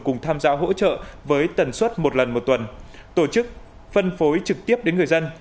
cùng tham gia hỗ trợ với tần suất một lần một tuần tổ chức phân phối trực tiếp đến người dân